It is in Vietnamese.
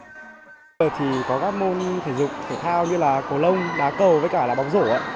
giờ thì có các môn thể dục thể thao như là cổ lông đá cầu với cả là bóng rổ